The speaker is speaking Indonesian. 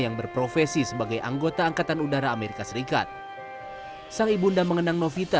yang berprofesi sebagai anggota angkatan udara amerika serikat sang ibunda mengenang novita